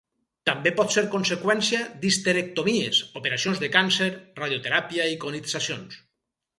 També pot ser conseqüència d'histerectomies, operacions de càncer, radioteràpia i conitzacions.